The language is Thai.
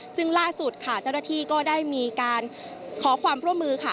ซึ่งล่าสุดค่ะเจ้าหน้าที่ก็ได้มีการขอความร่วมมือค่ะ